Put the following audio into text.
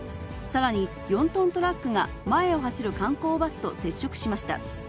さらに、４トントラックが前を走る観光バスと接触しました。